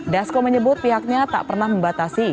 dasko menyebut pihaknya tak pernah membatasi